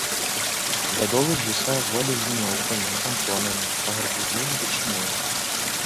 Да долу звісае голле з вінёўкамі, антонамі, па гарбузу велічынёю.